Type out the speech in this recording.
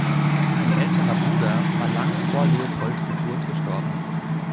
Ein älterer Bruder war lange vor Leopold Geburt gestorben.